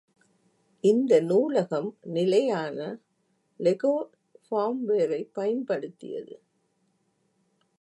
இந்த நூலகம் நிலையான லெகோ ஃபார்ம்வேரைப் பயன்படுத்தியது.